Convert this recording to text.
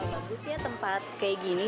bagusnya tempat kayak gini